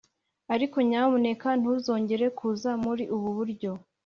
ariko nyamuneka ntuzongere kuza muri ubu buryo,